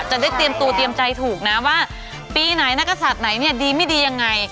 จะได้เตรียมตัวเตรียมใจถูกนะว่าปีไหนนักศัตริย์ไหนเนี่ยดีไม่ดียังไง